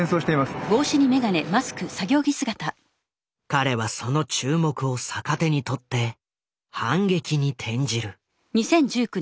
彼はその注目を逆手に取って反撃に転じる。